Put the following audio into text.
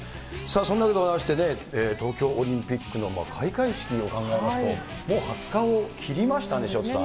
そんなわけでございまして、東京オリンピックの開会式を考えますと、もう２０日を切りましたね、潮田さん。